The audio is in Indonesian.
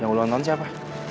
yang ulang tahun siapa